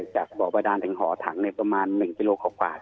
จากบ่อประดานถึงหอถังประมาณ๑กิโลกรัมครอบคราศ